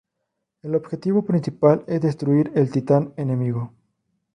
El objetivo principal es destruir el titán enemigo.